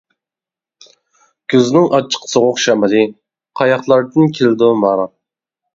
كۈزنىڭ ئاچچىق سوغۇق شامىلى، قاياقلاردىن كېلىدۇ ماراپ.